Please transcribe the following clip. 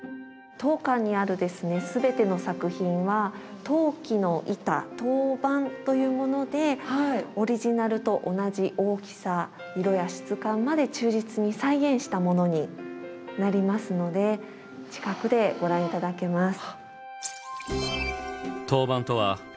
当館にある全ての作品は陶器の板陶板というものでオリジナルと同じ大きさ色や質感まで忠実に再現したものになりますので近くでご覧頂けます。